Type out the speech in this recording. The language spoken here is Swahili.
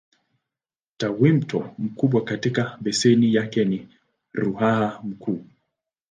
Tawimto mkubwa katika beseni yake ni Ruaha Mkuu.